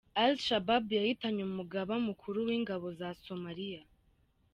AliShababu yahitanye umugaba mukuru w’ingabo za somaliya